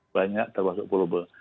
banyak termasuk puluh belas